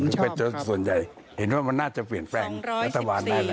ก็จะเป็นผลเลือกทางส่วนใหญ่เห็นว่ามันน่าจะเปลี่ยนแฟนเบือร์ละตระวันได้แหละ